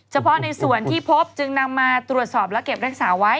เฉพาะในส่วนที่พบจึงนำมาตรวจสอบและเก็บรักษาไว้